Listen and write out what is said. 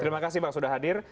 terima kasih sudah hadir